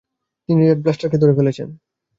তিনি রেড ব্লাস্টারকে ধরে ফেলেছেন!